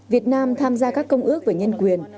việt nam tham gia các công ước về nhân quyền